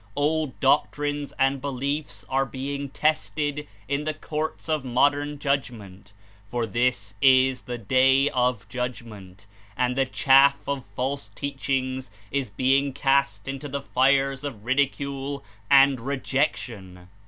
Old doctrines and beliefs are being tested in the courts of modern judgment, for this is the Day of Judgment, and the chaff of false teach ings is being cast into the fires of ridicule and rejec tion.